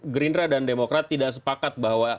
gerindra dan demokrat tidak sepakat bahwa